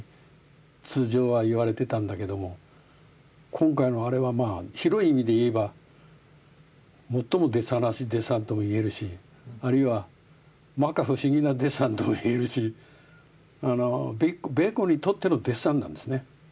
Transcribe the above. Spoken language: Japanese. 今回のあれはまあ広い意味で言えば最もデッサンらしいデッサンとも言えるしあるいは摩訶不思議なデッサンとも言えるしベーコンにとってのデッサンなんですね。